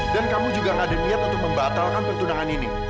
dan kamu juga gak ada niat untuk membatalkan pertunangan ini